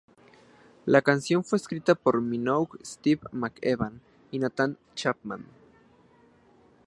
La canción fue escrita por Minogue, Steve McEwan y Nathan Chapman.